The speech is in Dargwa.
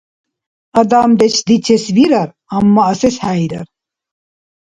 Адамдеш дицес вирар, амма асес хӀейрар.